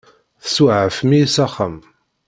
Tsuɛfem-iyi s axxam.